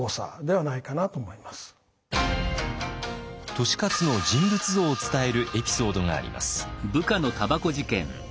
利勝の人物像を伝えるエピソードがあります。